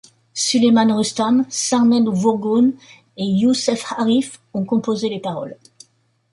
Suleyman Rustam, Samed Vurgun et Huseyn Arif ont composé les paroles.